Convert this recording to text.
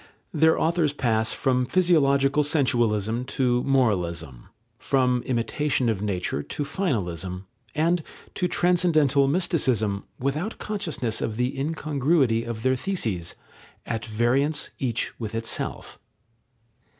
Their authors pass from physiological sensualism to moralism, from imitation of nature to finalism, and to transcendental mysticism, without consciousness of the incongruity of their theses, at variance each with itself.